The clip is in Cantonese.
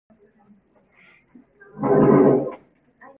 一路好走